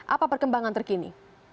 apa perkembangan terkini